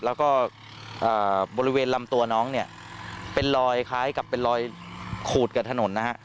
แล้วก็บริเวณลำตัวน้องเนี่ยเป็นรอยคล้ายกับเป็นรอยขูดกับถนนนะฮะ